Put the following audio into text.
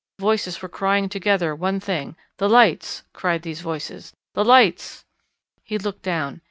Voices were crying together one thing. "The lights!" cried these voices. "The lights!" He looked down.